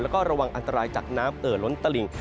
แล้วก็ระวังอันตรายจากน้ำเอ่อล้นตลิ่ง